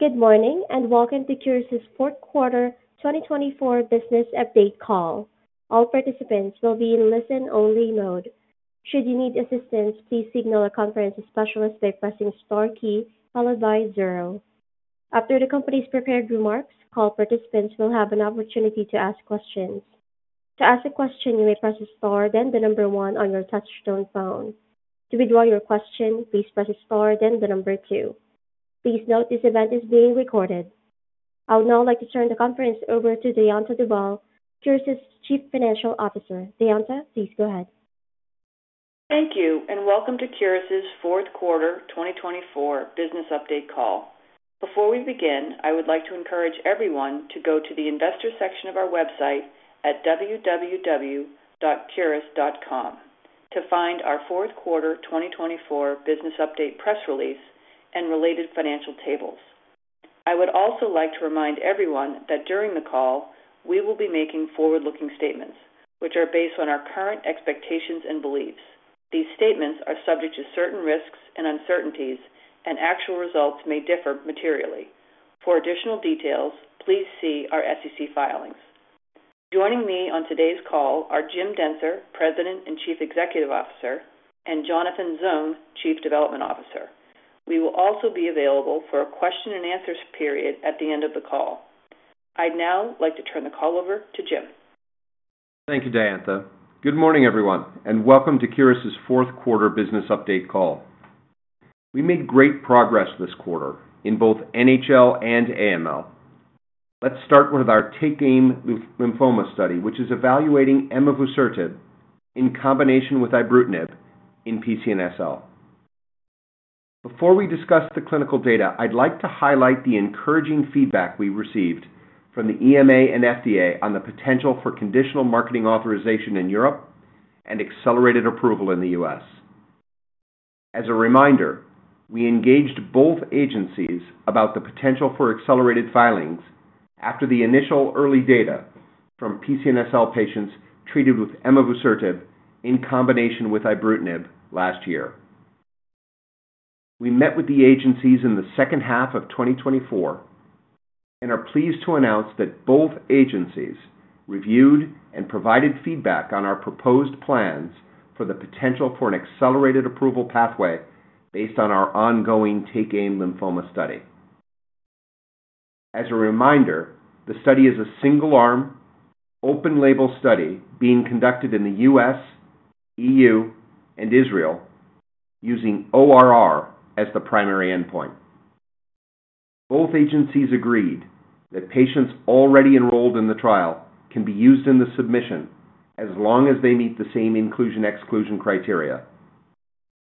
Good morning and welcome to Curis' 4th Quarter 2024 Business Update Call. All participants will be in listen-only mode. Should you need assistance, please signal a conference specialist by pressing the star key followed by zero. After the company's prepared remarks, call participants will have an opportunity to ask questions. To ask a question, you may press star, then the number one on your touch-tone phone. To withdraw your question, please press star, then the number two. Please note this event is being recorded. I would now like to turn the conference over to Diantha Duvall, Curis' Chief Financial Officer. Diantha, please go ahead. Thank you and welcome to Curis' 4th Quarter 2024 Business Update Call. Before we begin, I would like to encourage everyone to go to the investor section of our website at www.curis.com to find our 4th Quarter 2024 Business Update press release and related financial tables. I would also like to remind everyone that during the call, we will be making forward-looking statements, which are based on our current expectations and beliefs. These statements are subject to certain risks and uncertainties, and actual results may differ materially. For additional details, please see our SEC filings. Joining me on today's call are Jim Dentzer, President and Chief Executive Officer, and Jonathan Zung, Chief Development Officer. We will also be available for a question-and-answer period at the end of the call. I'd now like to turn the call over to Jim. Thank you, Diantha. Good morning, everyone, and welcome to Curis' 4th Quarter Business Update Call. We made great progress this quarter in both NHL and AML. Let's start with our TakeAim Lymphoma study, which is evaluating emavusertib in combination with ibrutinib in PCNSL. Before we discuss the clinical data, I'd like to highlight the encouraging feedback we received from the EMA and FDA on the potential for conditional marketing authorization in Europe and accelerated approval in the U.S. As a reminder, we engaged both agencies about the potential for accelerated filings after the initial early data from PCNSL patients treated with emavusertib in combination with ibrutinib last year. We met with the agencies in the second half of 2024 and are pleased to announce that both agencies reviewed and provided feedback on our proposed plans for the potential for an accelerated approval pathway based on our ongoing TakeAim Lymphoma study. As a reminder, the study is a single-arm, open-label study being conducted in the U.S., EU, and Israel using ORR as the primary endpoint. Both agencies agreed that patients already enrolled in the trial can be used in the submission as long as they meet the same inclusion/exclusion criteria.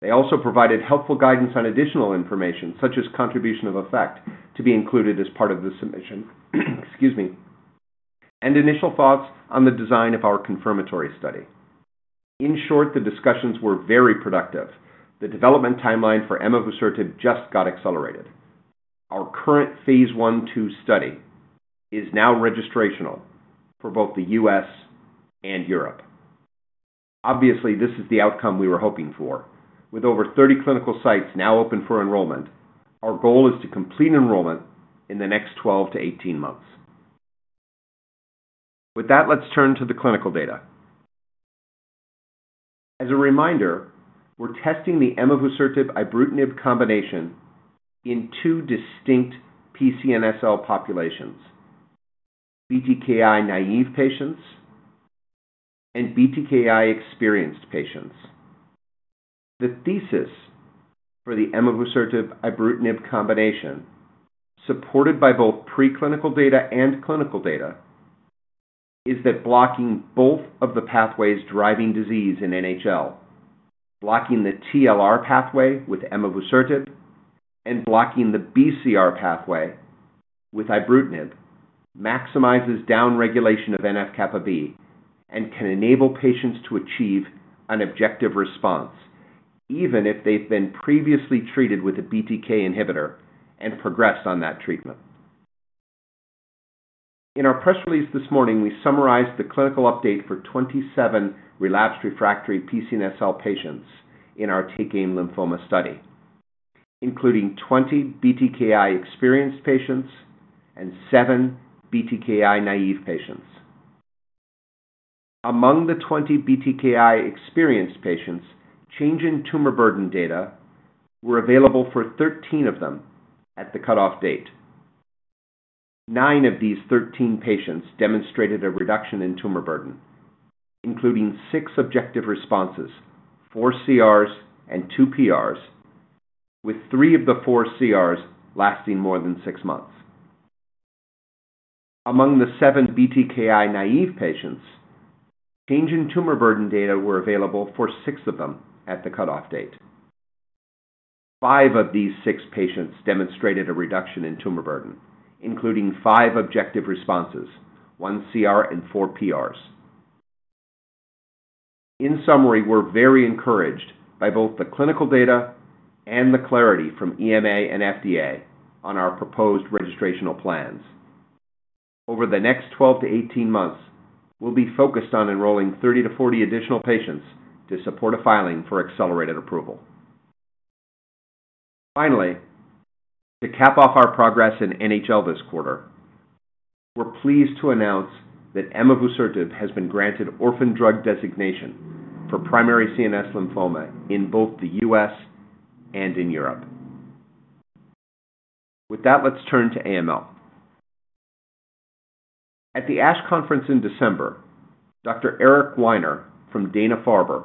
They also provided helpful guidance on additional information, such as contribution of effect, to be included as part of the submission and initial thoughts on the design of our confirmatory study. In short, the discussions were very productive. The development timeline for emavusertib just got accelerated. Our current phase I-II study is now registrational for both the U.S. and Europe. Obviously, this is the outcome we were hoping for. With over 30 clinical sites now open for enrollment, our goal is to complete enrollment in the next 12-18 months. With that, let's turn to the clinical data. As a reminder, we're testing the emavusertib-ibrutinib combination in two distinct PCNSL populations: BTKI naive patients and BTKI experienced patients. The thesis for the emavusertib-ibrutinib combination, supported by both preclinical data and clinical data, is that blocking both of the pathways driving disease in NHL—blocking the TLR pathway with emavusertib and blocking the BCR pathway with ibrutinib—maximizes downregulation of NF-kappaB and can enable patients to achieve an objective response, even if they've been previously treated with a BTK inhibitor and progressed on that treatment. In our press release this morning, we summarized the clinical update for 27 relapsed refractory PCNSL patients in our TakeAim Lymphoma study, including 20 BTKI experienced patients and 7 BTKI naive patients. Among the 20 BTKI experienced patients, change in tumor burden data were available for 13 of them at the cutoff date. Nine of these 13 patients demonstrated a reduction in tumor burden, including six objective responses, four CRs, and two PRs, with three of the four CRs lasting more than six months. Among the seven BTKI naive patients, change in tumor burden data were available for six of them at the cutoff date. Five of these six patients demonstrated a reduction in tumor burden, including five objective responses, one CR, and four PRs. In summary, we're very encouraged by both the clinical data and the clarity from EMA and FDA on our proposed registrational plans. Over the next 12-18 months, we'll be focused on enrolling 30-40 additional patients to support a filing for accelerated approval. Finally, to cap off our progress in NHL this quarter, we're pleased to announce that emavusertib has been granted orphan drug designation for primary CNS lymphoma in both the U.S. and in Europe. With that, let's turn to AML. At the ASH conference in December, Dr. Eric Winer from Dana-Farber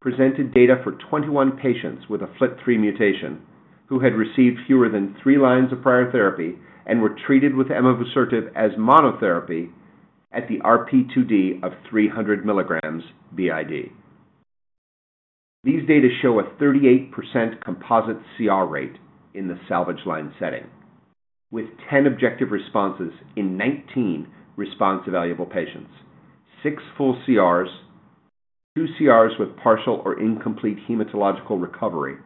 presented data for 21 patients with a FLT3 mutation who had received fewer than three lines of prior therapy and were treated with emavusertib as monotherapy at the RP2D of 300 mg b.i.d. These data show a 38% composite CR rate in the salvage line setting, with 10 objective responses in 19 response-available patients, six full CRs, two CRs with partial or incomplete hematological recovery,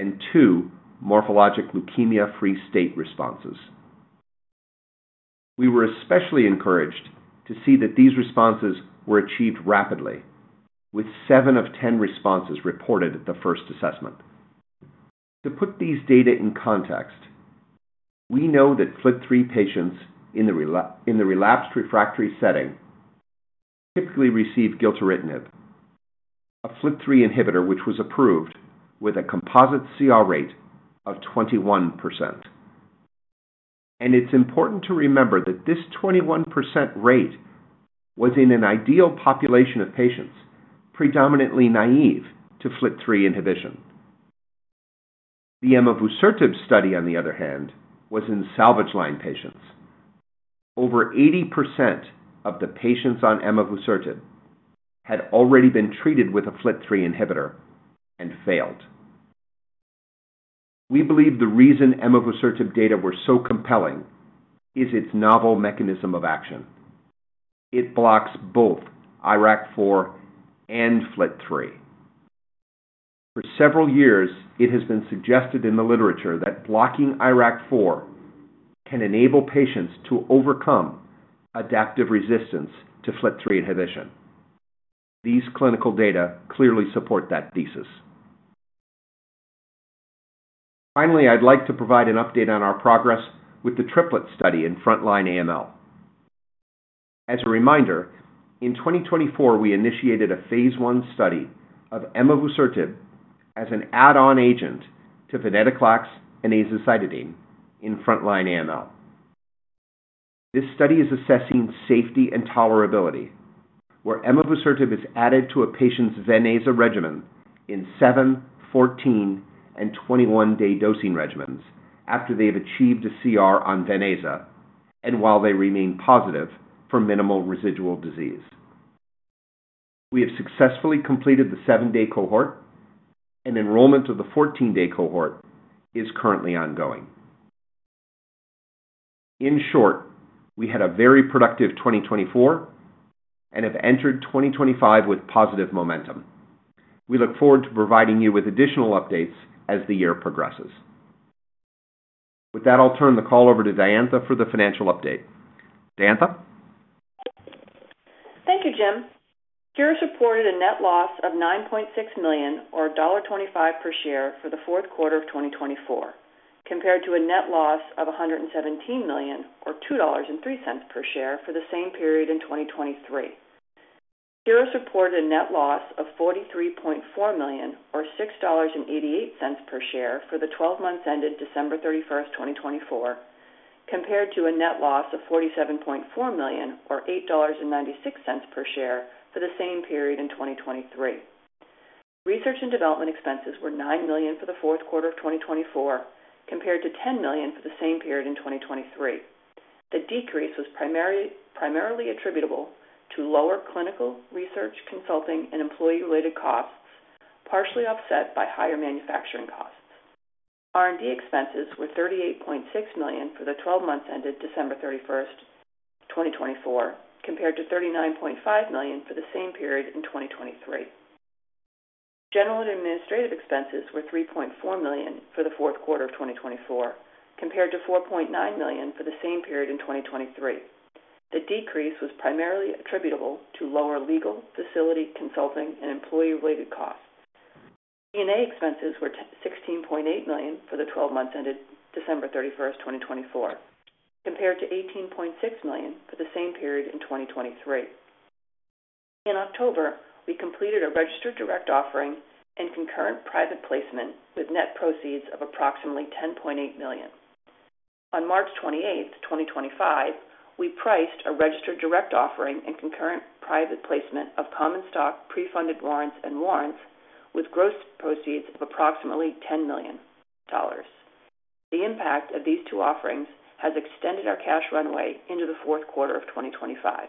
and two morphologic leukemia-free state responses. We were especially encouraged to see that these responses were achieved rapidly, with seven of 10 responses reported at the first assessment. To put these data in context, we know that FLT3 patients in the relapsed refractory setting typically receive gilteritinib, a FLT3 inhibitor which was approved with a composite CR rate of 21%. It is important to remember that this 21% rate was in an ideal population of patients predominantly naive to FLT3 inhibition. The emavusertib study, on the other hand, was in salvage line patients. Over 80% of the patients on emavusertib had already been treated with a FLT3 inhibitor and failed. We believe the reason emavusertib data were so compelling is its novel mechanism of action. It blocks both IRAK4 and FLT3. For several years, it has been suggested in the literature that blocking IRAK4 can enable patients to overcome adaptive resistance to FLT3 inhibition. These clinical data clearly support that thesis. Finally, I'd like to provide an update on our progress with the triplet study in frontline AML. As a reminder, in 2024, we initiated a phase I study of emavusertib as an add-on agent to venetoclax and azacitidine in frontline AML. This study is assessing safety and tolerability, where emavusertib is added to a patient's VenAza regimen in 7, 14, and 21-day dosing regimens after they have achieved a CR on VenAza and while they remain positive for minimal residual disease. We have successfully completed the 7-day cohort, and enrollment of the 14-day cohort is currently ongoing. In short, we had a very productive 2024 and have entered 2025 with positive momentum. We look forward to providing you with additional updates as the year progresses. With that, I'll turn the call over to Diantha for the financial update. Diantha. Thank you, Jim. Curis reported a net loss of $9.6 million, or $1.25 per share, for the fourth quarter of 2024, compared to a net loss of $117 million, or $2.03 per share, for the same period in 2023. Curis reported a net loss of $43.4 million, or $6.88 per share, for the 12 months ended December 31, 2024, compared to a net loss of $47.4 million, or $8.96 per share, for the same period in 2023. Research and development expenses were $9 million for the fourth quarter of 2024, compared to $10 million for the same period in 2023. The decrease was primarily attributable to lower clinical research, consulting, and employee-related costs, partially offset by higher manufacturing costs. R&D expenses were $38.6 million for the 12 months ended December 31, 2024, compared to $39.5 million for the same period in 2023. General and administrative expenses were $3.4 million for the fourth quarter of 2024, compared to $4.9 million for the same period in 2023. The decrease was primarily attributable to lower legal, facility, consulting, and employee-related costs. G&A expenses were $16.8 million for the 12 months ended December 31, 2024, compared to $18.6 million for the same period in 2023. In October, we completed a registered direct offering and concurrent private placement with net proceeds of approximately $10.8 million. On March 28, 2025, we priced a registered direct offering and concurrent private placement of common stock, pre-funded warrants, and warrants with gross proceeds of approximately $10 million. The impact of these two offerings has extended our cash runway into the fourth quarter of 2025.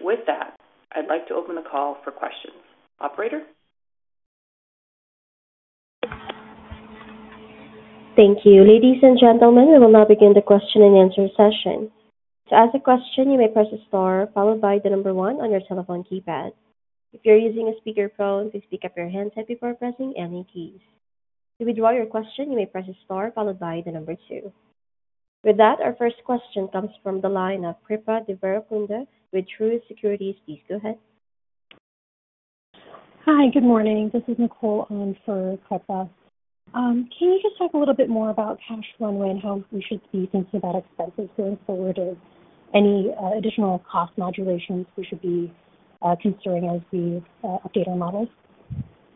With that, I'd like to open the call for questions. Operator? Thank you. Ladies and gentlemen, we will now begin the question and answer session. To ask a question, you may press the star followed by the number one on your telephone keypad. If you're using a speakerphone, please pick up your handset before pressing any keys. To withdraw your question, you may press the star followed by the number two. With that, our first question comes from the line of Kripa Devarakonda, with Truist Securities. Please go ahead. Hi, good morning. This is Nicole for Kripa. Can you just talk a little bit more about cash runway and how we should be thinking about expenses going forward and any additional cost modulations we should be considering as we update our models?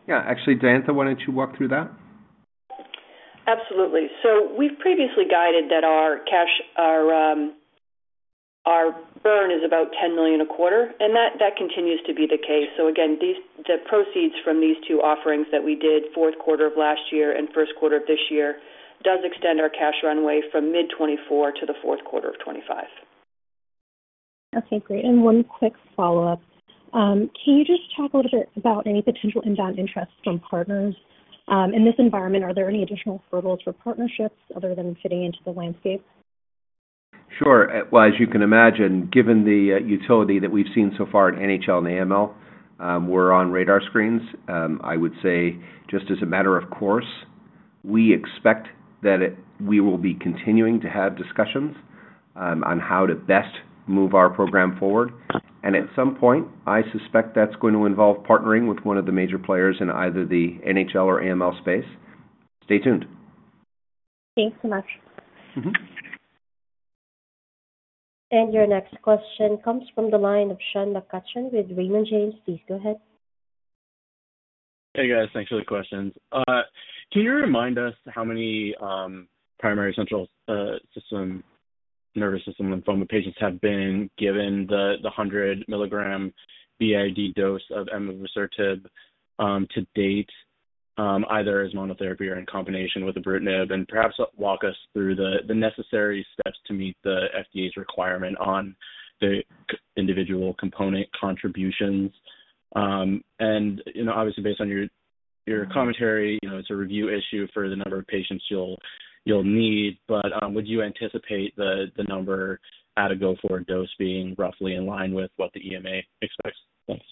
Yeah. Actually, Diantha, why don't you walk through that? Absolutely. We have previously guided that our burn is about $10 million a quarter, and that continues to be the case. Again, the proceeds from these two offerings that we did in the fourth quarter of last year and the first quarter of this year extend our cash runway from mid-2024 to the fourth quarter of 2025. Okay. Great. One quick follow-up. Can you just talk a little bit about any potential inbound interests from partners? In this environment, are there any additional hurdles for partnerships other than fitting into the landscape? Sure. As you can imagine, given the utility that we've seen so far in NHL and AML, we're on radar screens. I would say just as a matter of course, we expect that we will be continuing to have discussions on how to best move our program forward. At some point, I suspect that's going to involve partnering with one of the major players in either the NHL or AML space. Stay tuned. Thanks so much. Your next question comes from the line of Sean McCutcheon with Raymond James. Please go ahead. Hey, guys. Thanks for the questions. Can you remind us how many primary central nervous system lymphoma patients have been given the 100 mg b.i.d. dose of emavusertib to date, either as monotherapy or in combination with ibrutinib, and perhaps walk us through the necessary steps to meet the FDA's requirement on the individual component contributions? Obviously, based on your commentary, it's a review issue for the number of patients you'll need. Would you anticipate the number at a go-forward dose being roughly in line with what the EMA expects? Thanks.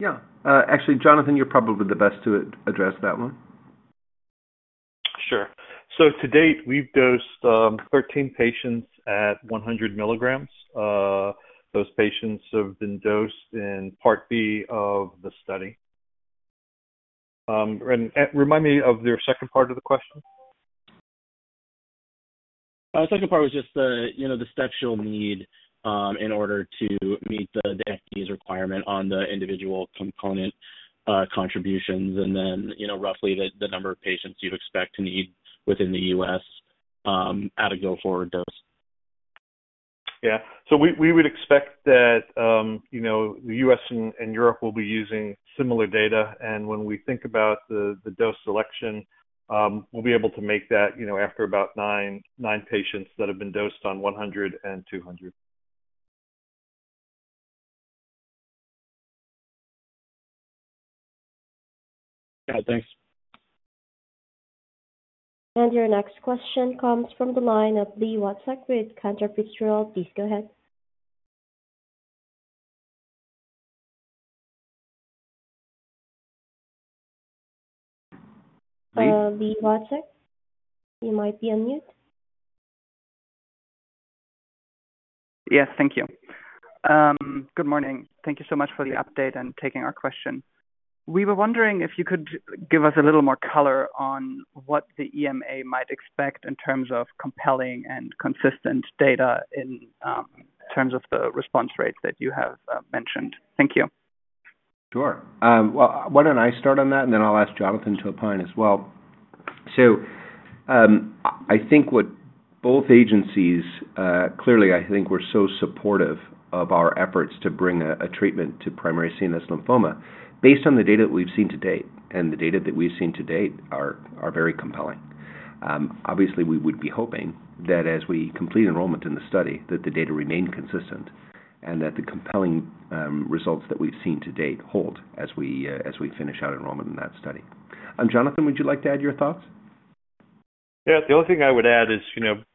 Yeah. Actually, Jonathan, you're probably the best to address that one. Sure. To date, we've dosed 13 patients at 100 milligrams. Those patients have been dosed in part B of the study. Remind me of the second part of the question. The second part was just the steps you'll need in order to meet the FDA's requirement on the individual component contributions and then roughly the number of patients you'd expect to need within the US at a go-forward dose. Yeah. We would expect that the U.S. and Europe will be using similar data. When we think about the dose selection, we'll be able to make that after about nine patients that have been dosed on 100 and 200. Yeah. Thanks. Your next question comes from the line of Li Watsek with Cantor Fitzgerald. Please go ahead. Hi. Li Watsek, you might be on mute. Yes. Thank you. Good morning. Thank you so much for the update and taking our question. We were wondering if you could give us a little more color on what the EMA might expect in terms of compelling and consistent data in terms of the response rate that you have mentioned. Thank you. Sure. Why don't I start on that, and then I'll ask Jonathan to opine as well. I think what both agencies clearly, I think, were so supportive of our efforts to bring a treatment to primary CNS lymphoma, based on the data that we've seen to date and the data that we've seen to date are very compelling. Obviously, we would be hoping that as we complete enrollment in the study, that the data remain consistent and that the compelling results that we've seen to date hold as we finish out enrollment in that study. Jonathan, would you like to add your thoughts? Yeah. The only thing I would add is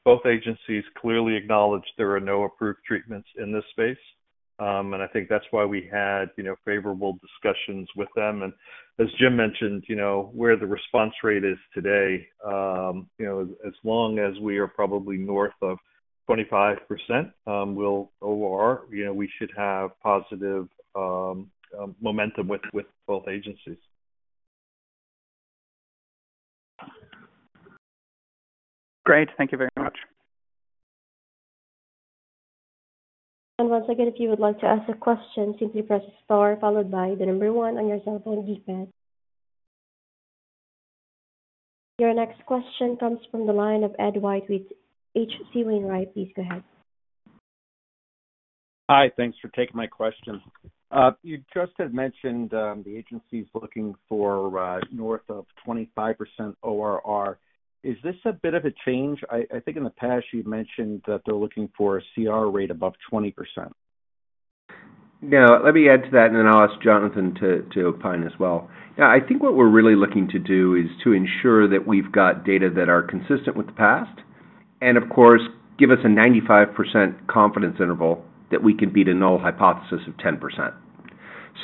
both agencies clearly acknowledged there are no approved treatments in this space. I think that's why we had favorable discussions with them. As Jim mentioned, where the response rate is today, as long as we are probably north of 25%, we should have positive momentum with both agencies. Great. Thank you very much. If you would like to ask a question, simply press the star followed by the number one on your telephone keypad. Your next question comes from the line of Ed White with HC Wainwright. Please go ahead. Hi. Thanks for taking my question. You just had mentioned the agencies looking for north of 25% ORR. Is this a bit of a change? I think in the past, you've mentioned that they're looking for a CR rate above 20%. No. Let me add to that, and then I'll ask Jonathan to opine as well. Yeah. I think what we're really looking to do is to ensure that we've got data that are consistent with the past and, of course, give us a 95% confidence interval that we can beat a null hypothesis of 10%.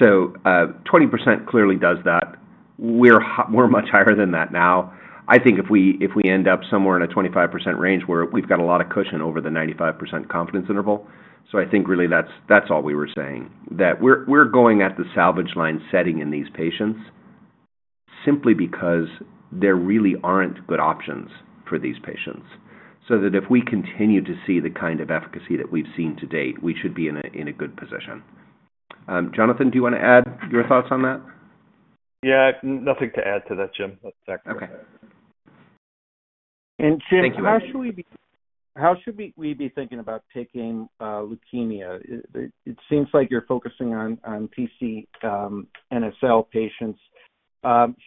So 20% clearly does that. We're much higher than that now. I think if we end up somewhere in a 25% range, we've got a lot of cushion over the 95% confidence interval. I think really that's all we were saying, that we're going at the salvage line setting in these patients simply because there really aren't good options for these patients. If we continue to see the kind of efficacy that we've seen to date, we should be in a good position. Jonathan, do you want to add your thoughts on that? Yeah. Nothing to add to that, Jim. That's accurate. Okay. Jim. Thank you. How should we be thinking about TakeAim Leukemia? It seems like you're focusing on PCNSL patients.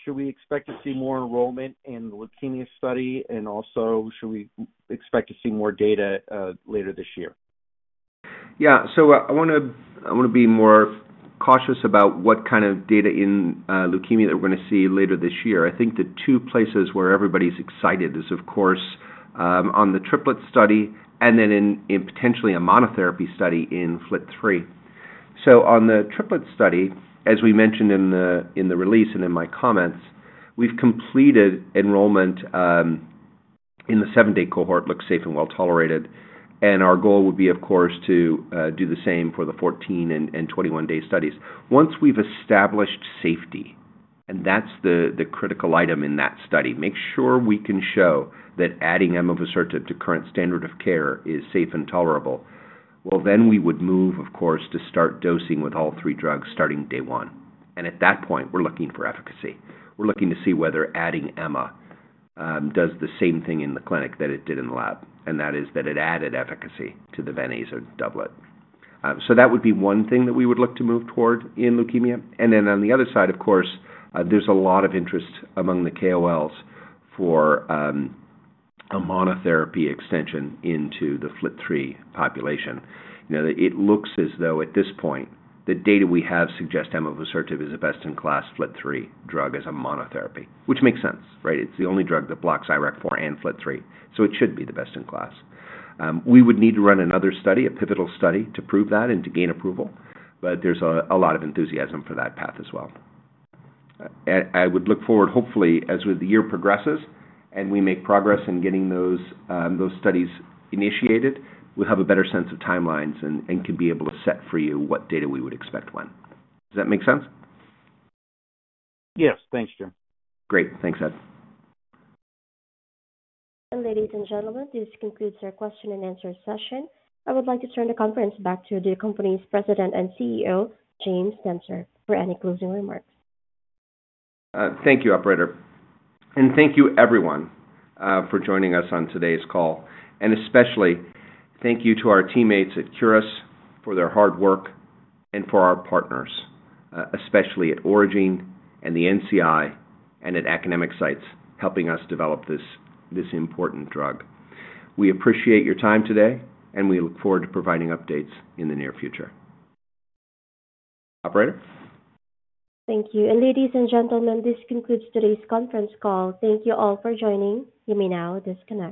Should we expect to see more enrollment in the leukemia study, and also should we expect to see more data later this year? Yeah. I want to be more cautious about what kind of data in leukemia that we're going to see later this year. I think the two places where everybody's excited is, of course, on the triplet study and then in potentially a monotherapy study in FLT3. On the triplet study, as we mentioned in the release and in my comments, we've completed enrollment in the 7-day cohort, looks safe and well tolerated. Our goal would be, of course, to do the same for the 14 and 21-day studies. Once we've established safety, and that's the critical item in that study, make sure we can show that adding emavusertib to current standard of care is safe and tolerable. Then we would move, of course, to start dosing with all three drugs starting day one. At that point, we're looking for efficacy. We're looking to see whether adding emavusertib does the same thing in the clinic that it did in the lab. That is, it added efficacy to the venetoclax-azacitidine doublet. That would be one thing that we would look to move toward in leukemia. On the other side, of course, there's a lot of interest among the KOLs for a monotherapy extension into the FLT3 population. It looks as though at this point, the data we have suggests emavusertib is a best-in-class FLT3 drug as a monotherapy, which makes sense, right? It's the only drug that blocks IRAK4 and FLT3. It should be the best in class. We would need to run another study, a pivotal study to prove that and to gain approval. There is a lot of enthusiasm for that path as well. I would look forward, hopefully, as the year progresses and we make progress in getting those studies initiated, we'll have a better sense of timelines and can be able to set for you what data we would expect when. Does that make sense? Yes. Thanks, Jim. Great. Thanks, Ed. Ladies and gentlemen, this concludes our question and answer session. I would like to turn the conference back to the company's President and CEO, Jim Dentzer, for any closing remarks. Thank you, Operator. Thank you, everyone, for joining us on today's call. Thank you to our teammates at Curis for their hard work and for our partners, especially at Aurigene and the NCI and at academic sites helping us develop this important drug. We appreciate your time today, and we look forward to providing updates in the near future. Operator? Thank you. Ladies and gentlemen, this concludes today's conference call. Thank you all for joining. You may now disconnect.